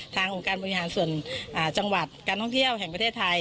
องค์การบริหารส่วนจังหวัดการท่องเที่ยวแห่งประเทศไทย